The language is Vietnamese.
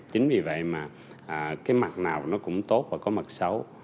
chính vì vậy mà cái mặt nào nó cũng tốt và có mặt xấu